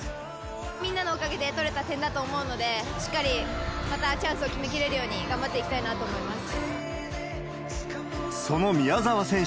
みんなのおかげで取れた点だと思うので、しっかりまたチャンスを決めきれるように、頑張っていきたいなと思います。